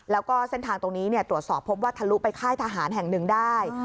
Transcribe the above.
แล้วก็เส้นทางตรงนี้ตรวจสอบพบว่าทะลุไปค่ายทหารแห่งหนึ่งได้